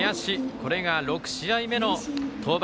これが６試合目の登板。